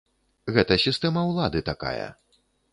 Гэта сістэма ўлады такая.